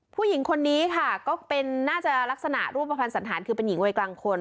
ผู้หญิงคนนี้ค่ะก็เป็นน่าจะลักษณะรูปภัณฑ์สันธารคือเป็นหญิงวัยกลางคน